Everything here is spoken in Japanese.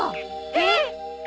えっ。